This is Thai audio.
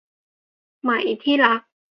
ไหม ที่รัก